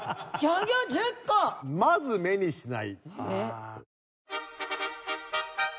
まず目にしない。